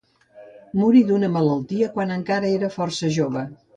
Morí d'una malaltia quan encara era força jove.